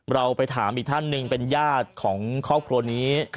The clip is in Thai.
เราไปถามอีกท่านหนึ่งเป็นญาติของครอบครัวนี้